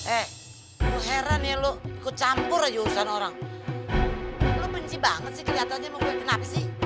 eh lu heran ya lu ikut campur aja urusan orang lu benci banget sih keliatannya mau gue kenapa sih